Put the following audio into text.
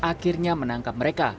akhirnya menangkap mereka